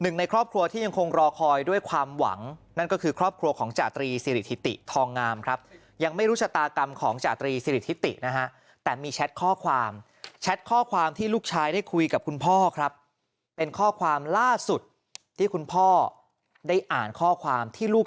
ในครอบครัวที่ยังคงรอคอยด้วยความหวังนั่นก็คือครอบครัวของจาตรีสิริถิติทองงามครับยังไม่รู้ชะตากรรมของจาตรีสิริทิตินะฮะแต่มีแชทข้อความแชทข้อความที่ลูกชายได้คุยกับคุณพ่อครับเป็นข้อความล่าสุดที่คุณพ่อได้อ่านข้อความที่ลูก